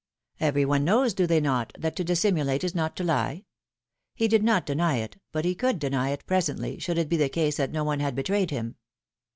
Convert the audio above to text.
Every one knows, do they not, that to dissimulate is not to lie ? He did not deny it, but he could deny it, presently, should it be the case that no one had betrayed him.